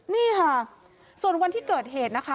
นี่ค่ะส่วนวันที่เกิดเหตุนะคะ